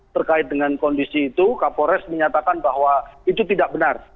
terkait dengan kondisi itu kapolres menyatakan bahwa itu tidak benar